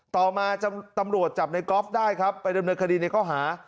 ต่อมาตำรวจจับในกอล์ฟได้ครับไปดำเนินคดีในข้อหา